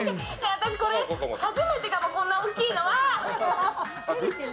私、初めてかもこんな大きいの。